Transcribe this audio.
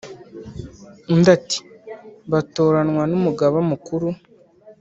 undi ati"batoranwa numugaba mukuru"